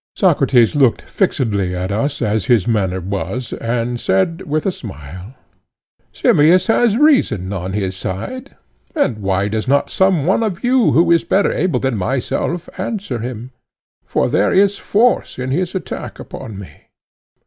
Socrates looked fixedly at us as his manner was, and said with a smile: Simmias has reason on his side; and why does not some one of you who is better able than myself answer him? for there is force in his attack upon me.